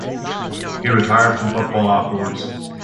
He retired from football afterwards.